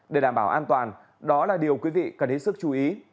để đảm bảo an toàn đó là điều quý vị cần hết sức chú ý